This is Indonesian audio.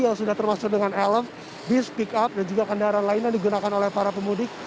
yang sudah termasuk dengan helm bis pick up dan juga kendaraan lain yang digunakan oleh para pemudik